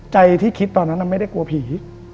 ใจที่คิดตอนนั้นไม่ได้กลัวผี